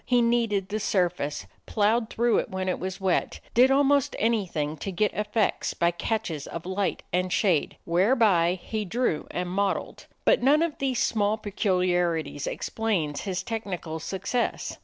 He kneaded the surface, ploughed through it when it was wet, did almost anything to get effects by catches of light and shade whereby he drew and modeled. But none of these small peculiarities explains his technical success.